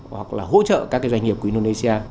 hoặc là hỗ trợ các cái doanh nghiệp của indonesia